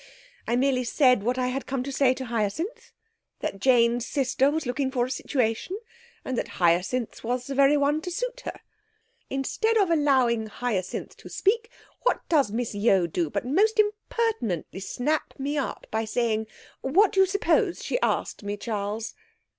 I merely said what I had come to say to Hyacinth: that Jane's sister was looking for a situation, and that Hyacinth's was the very one to suit her. Instead of allowing Hyacinth to speak, what does Miss Yeo do but most impertinently snap me up by saying what do you suppose she asked me, Charles?'